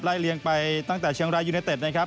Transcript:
เลียงไปตั้งแต่เชียงรายยูเนเต็ดนะครับ